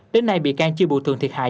đến nay bị can chưa bù thường thiệt hại